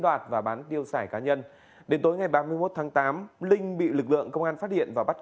đoạt và bán tiêu xài cá nhân đến tối ngày ba mươi một tháng tám linh bị lực lượng công an phát hiện và bắt